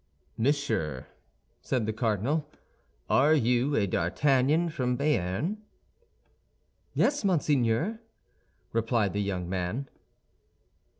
"Monsieur," said the cardinal, "are you a D'Artagnan from Béarn?" "Yes, monseigneur," replied the young man.